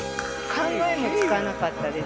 考えもつかなかったです。